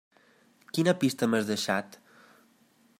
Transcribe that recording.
Quina pista m'has deixat?